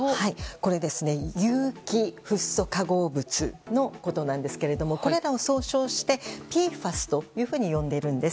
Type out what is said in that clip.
これ、有機フッ素化合物のことなんですがこれらを総称して、ＰＦＡＳと呼んでいるんです。